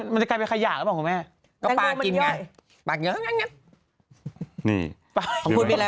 มันกลายเป็นขยะแล้วเหรอขุวแม่